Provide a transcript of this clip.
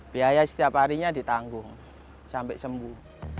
biaya setiap harinya ditanggung sampai sembuh